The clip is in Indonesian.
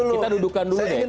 kita dudukan dulu deh